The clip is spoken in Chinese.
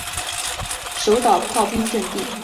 守岛炮兵阵地在德军猛烈的炮击下很快沉默下来。